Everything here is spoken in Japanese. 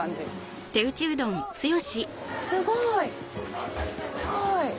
あっすごいすごい！